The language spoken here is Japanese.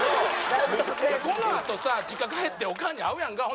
このあとさ実家帰ってオカンに会うやんか。